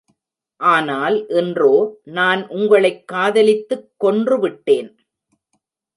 ஆனால் இன்றோ, நான் உங்களைக் காதலித்துக் கொன்றுவிட்டேன்!.